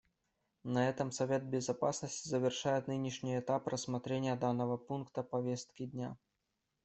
На этом Совет Безопасности завершает нынешний этап рассмотрения данного пункта повестки дня.